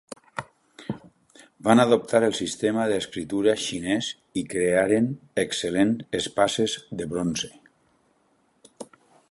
Van adoptar el sistema d'escriptura xinès i crearen excel·lents espases de bronze.